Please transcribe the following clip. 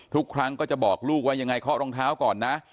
ทุกครั้งก็จะบอกลูกว่ายังไงเคาะรองเท้าก่อนนะ